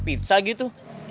dan terpisah gitu